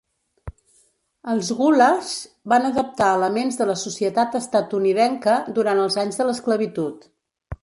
Els gullahs van adaptar elements de la societat estatunidenca durant els anys de l'esclavitud.